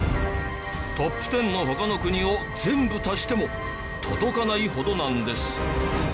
トップ１０の他の国を全部足しても届かないほどなんです。